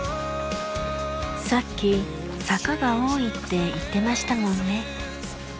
さっき坂が多いって言ってましたもんね。